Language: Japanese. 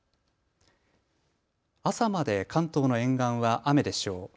朝まで関東の沿岸は雨でしょう。